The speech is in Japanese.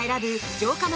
城下町